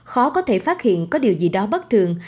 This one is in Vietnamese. khó có thể phát hiện có điều gì đó bất thường